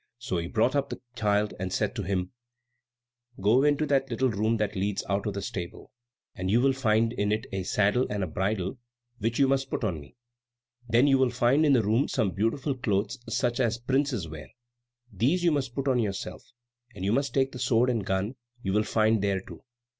So he brought up the child and said to him, "Go into that little room that leads out of the stable, and you will find in it a saddle and bridle which you must put on me. Then you will find in the room some beautiful clothes such as princes wear; these you must put on yourself; and you must take the sword and gun you will find there too.